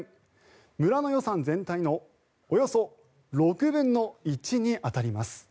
村の予算全体のおよそ６分の１に当たります。